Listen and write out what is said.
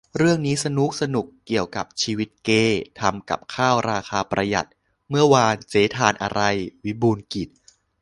- เรื่องนี้สนุ๊กสนุก เกี่ยวกับชีวิตเกย์ ทำกับข้าวราคาประหยัด "เมื่อวานเจ๊ทานอะไร ?" วิบูลย์กิจ